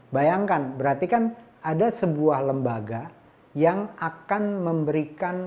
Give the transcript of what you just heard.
bayangkan berarti kan ada sebuah lembaga yang akan memberikan